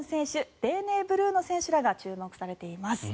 デーデー・ブルーノ選手らが注目されています。